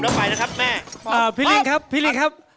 ตอน๓แล้วไปนะครับแม่พร้อมพี่ลิงครับ